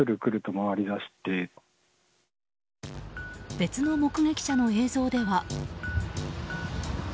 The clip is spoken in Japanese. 別の目撃者の映像では。